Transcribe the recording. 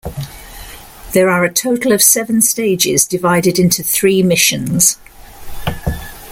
There are a total of seven stages, divided into three Missions.